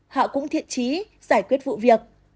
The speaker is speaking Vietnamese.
họ cũng thiện trí giải quyết vụ việc